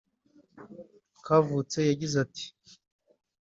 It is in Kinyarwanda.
Kavutse yagize ati